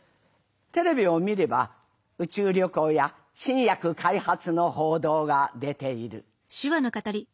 テレビを見れば宇宙旅行や新薬開発の報道が出ている。